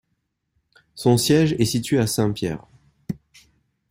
Son siège est situé à Saint-Pierre.